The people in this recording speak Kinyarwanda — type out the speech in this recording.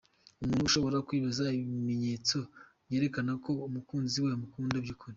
Umuntu ashobora kwibaza ibimenyetso byerekana ko umukunzi we amukunda by’ukuri.